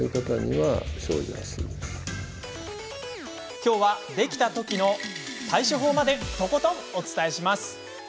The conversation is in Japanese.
きょうはできたときの対処法までとことんお伝えします。